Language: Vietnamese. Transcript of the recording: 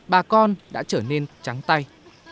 bà con đã trở nên trắng tay